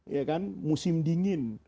ya kan musim dingin